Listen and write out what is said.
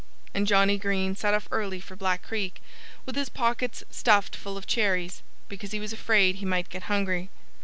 And Johnnie Green set off early for Black Creek, with his pockets stuffed full of cherries, because he was afraid he might get hungry.